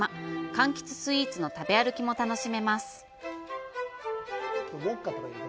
かんきつスイーツの食べ歩きも楽しめます。